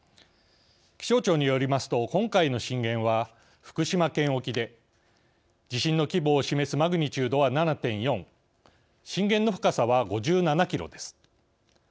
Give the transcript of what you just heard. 気象庁によりますと今回の震源は福島県沖で地震の規模を示すマグニチュードは７．４震源の深さは５７キロです。